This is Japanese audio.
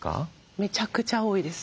めちゃくちゃ多いです。